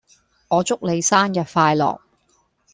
我祝你生日快樂